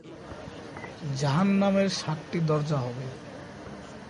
জাহান্নামের সাতটি দরজা হবে।